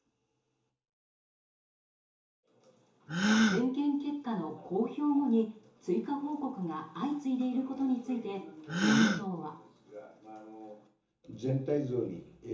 点検結果の公表後に追加報告が相次いでいることについて自民党は。